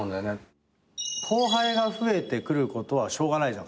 後輩が増えてくることはしょうがないじゃん。